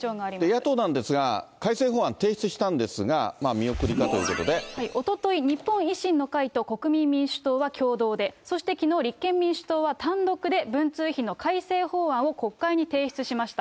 野党なんですが、改正法案提出したんですが、見送りかというおととい、日本維新の会と国民民主党は共同で、そしてきのう、立憲民主党は単独で文通費の改正法案を国会に提出しました。